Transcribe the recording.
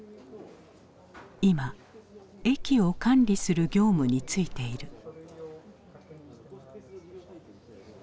今駅を管理する業務に就いている。